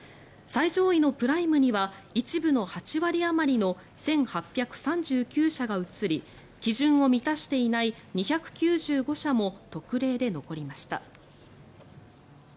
最上位のプライムには、１部の８割あまりの１８３９社が移り基準を満たしていない２９５社も特例で残りました。